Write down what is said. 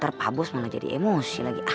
terpabos mau gak jadi emosi lagi ah